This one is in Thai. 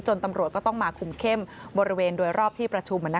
ตำรวจก็ต้องมาคุมเข้มบริเวณโดยรอบที่ประชุม